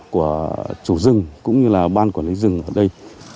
của chủ rừng cũng như là ban quản lý rừng ở đây